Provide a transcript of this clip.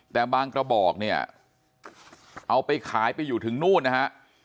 แต่บางกระบอกเนี่ยเอาไปขายไปอยู่ถึงนู่นนะฮะ